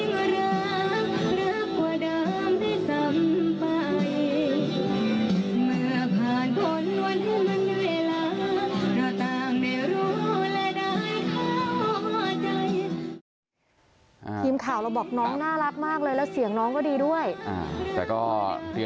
วันนี้รักรักกว่าเดิมได้สัมไป